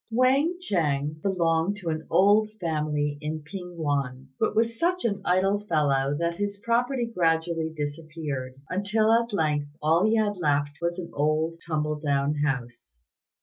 Wang Ch'êng belonged to an old family in P'ing yüan, but was such an idle fellow that his property gradually disappeared, until at length all he had left was an old tumble down house.